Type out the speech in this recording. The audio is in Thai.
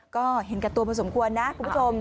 ก็เห็นแก่ตัวพอสมควรนะคุณผู้ชม